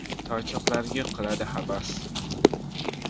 Toychoqlarga qiladi havas.